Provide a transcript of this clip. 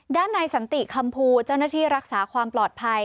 ด้านในสันติคำภูเจ้าหน้าที่รักษาความปลอดภัย